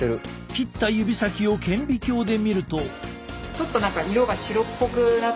切った指先を顕微鏡で見ると。